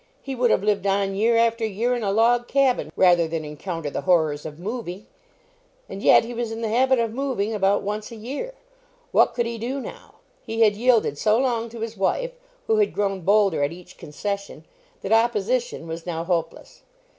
He would have lived on, year after year, in a log cabin, rather than encounter the horrors of moving; and yet he was in the habit of moving about once a year. What could he do now? He had yielded so long to his wife, who had grown bolder at each concession, that opposition was now hopeless.